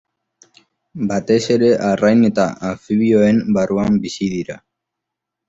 Batez ere arrain eta anfibioen barruan bizi dira.